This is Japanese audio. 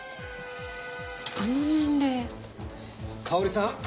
香織さん